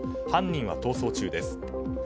犯人は逃走中です。